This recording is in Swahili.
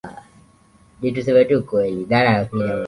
Alimshika mkononi asianguke